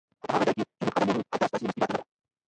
اوپه هغه ځای کی چی موږ قدم وهو هلته ستاسو مستی باطیله ده